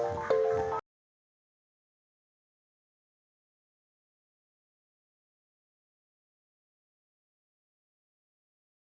jokowi juga meminta pendukungnya bisa memenangkan suara di wilayah kabupaten bogor dan sekitarnya pada pilpres dua ribu sembilan belas